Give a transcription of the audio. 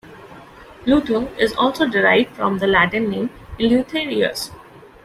Luther is also derived from the Latin name "Eleutherius".